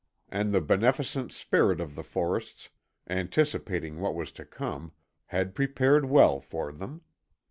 And the Beneficent Spirit of the forests, anticipating what was to come, had prepared well for them.